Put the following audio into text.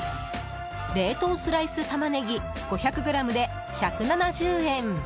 冷凍スライスたまねぎ５００ｇで１７０円。